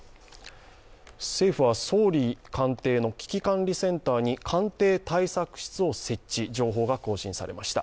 政府は総理官邸の危機管理センターに官邸対策室を設置、情報が更新されました。